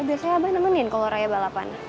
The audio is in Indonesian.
biasanya abah nemenin kalau raya balapan